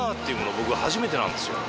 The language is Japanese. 僕初めてなんですよ。